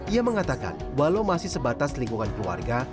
ia mengatakan walau masih sebatas lingkungan keluarga